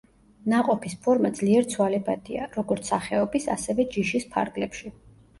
ნაყოფის ფორმა ძლიერ ცვალებადია როგორც სახეობის, ასევე ჯიშის ფარგლებში.